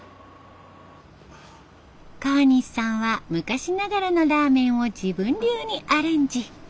川西さんは昔ながらのラーメンを自分流にアレンジ。